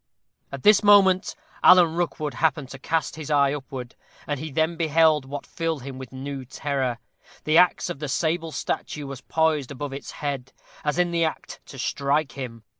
At this moment Alan Rookwood happened to cast his eye upward, and he then beheld what filled him with new terror. The axe of the sable statue was poised above its head, as in the act to strike him.